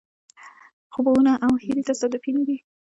خوبونه او هیلې تصادفي نه دي.